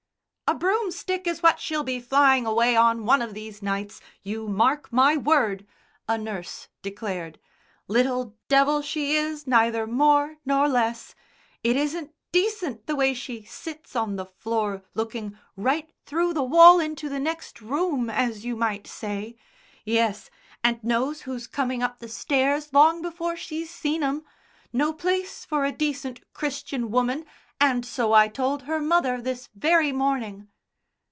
"A broomstick is what she'll be flying away on one of these nights, you mark my word," a nurse declared. "Little devil, she is, neither more nor less. It isn't decent the way she sits on the floor looking right through the wall into the next room, as you might say. Yes, and knows who's coming up the stairs long before she's seen 'em. No place for a decent Christian woman, and so I told her mother this very morning."